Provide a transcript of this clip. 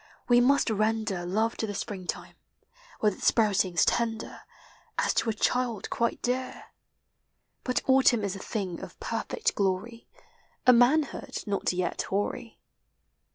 We must render Love to the Spring time, with its sprouting? tender, As to a child quite dear; But Autumn is a thing of perfect glory, A manhood not vet hoarv.